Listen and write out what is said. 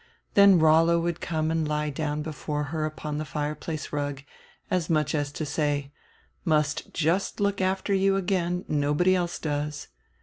Then Rollo would often come and lie down before her upon the fireplace rug, as much as to say: "Must just look after you again; nobody else does."